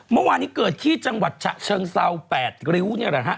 เมื่อวานนี้เกิดที่จังหวัดฉะเชิงเซา๘ริ้วนี่แหละฮะ